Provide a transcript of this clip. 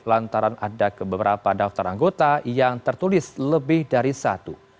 lantaran ada beberapa daftar anggota yang tertulis lebih dari satu